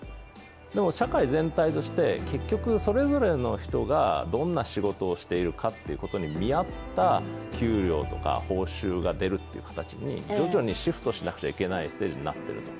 でも、社会全体として、結局それぞれの人がどんな仕事をしているかということに見合った給料とか報酬が出るという形に徐々にシフトしなくちゃいけないステージになっていると。